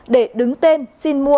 để đứng tên xin mua